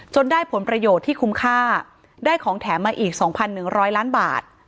ได้ผลประโยชน์ที่คุ้มค่าได้ของแถมมาอีก๒๑๐๐ล้านบาท